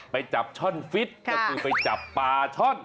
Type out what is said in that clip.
ไปจับช่อนฟิตก็คือไปจับปลาช่อน